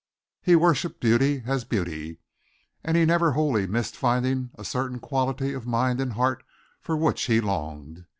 He worshiped beauty as beauty, and he never wholly missed finding a certain quality of mind and heart for which he longed.